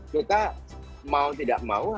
kita mau tidak mau